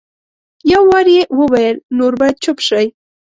یو وار یې وویل نور باید چپ شئ.